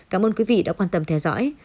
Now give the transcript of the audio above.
cảm ơn quý vị đã quan tâm theo dõi